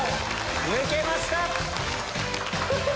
抜けました！